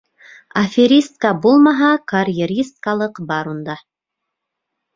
Аферистка булмаһа, карьеристкалыҡ бар унда.